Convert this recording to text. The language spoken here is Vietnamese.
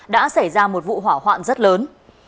đã xảy ra một vụ hỏa hoạn rất lớn